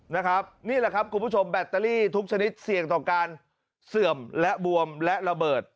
นี่แหละครับคุณผู้ชมแบตเตอรี่ทุกชนิดเสี่ยงต่อการเสื่อมและบวมและระเบิด